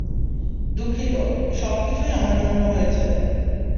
দুঃখিত, এ সবকিছুই আমার জন্যই হয়েছে।